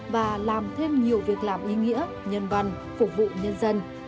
và làm thêm nhiều việc làm ý nghĩa nhân văn phục vụ nhân dân